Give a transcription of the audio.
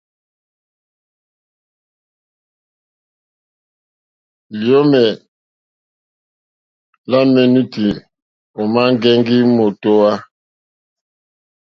Liomè la menuti òma ŋgɛŋgi mòtohwa.